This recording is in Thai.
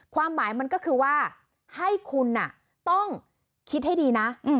ความหมายมันก็คือว่าให้คุณต้องคิดให้ดีนะ